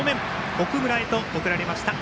奥村へと送られました。